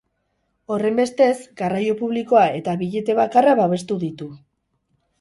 Horrenbestez, garraio publikoa eta bilete bakarra babestu ditu.